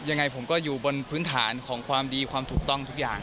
ยังไงผมก็อยู่บนพื้นฐานของความดีความถูกต้องทุกอย่าง